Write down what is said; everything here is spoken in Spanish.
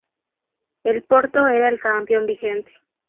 El Porto era el campeón vigente.